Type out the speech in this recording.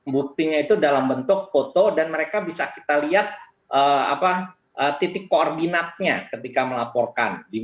buktinya itu dalam bentuk foto dan mereka bisa kita lihat titik koordinatnya ketika melaporkan